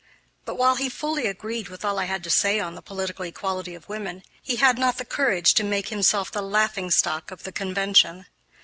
But, while he fully agreed with all I had to say on the political equality of women, he had not the courage to make himself the laughing stock of the convention.